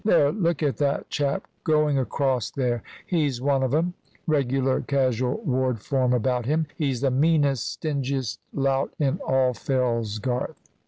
There, look at that chap going across there! He's one of 'em. Regular casual ward form about him. He's the meanest, stingiest lout in all Fellsgarth."